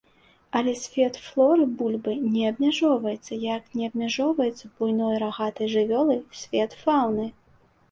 Але свет флоры бульбай не абмяжоўваецца, як не абмяжоўваецца буйной рагатай жывёлай свет фауны.